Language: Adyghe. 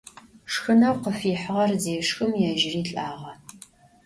Şşxıneu khıfihığer zêşşxım, yêjıri lh'ağe.